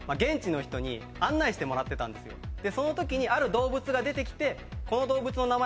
その時にある動物が出て来て。